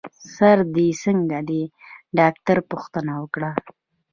سر دي څنګه دی؟ ډاکټر پوښتنه وکړه.